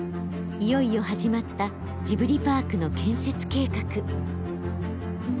いよいよ始まったジブリパークの建設計画。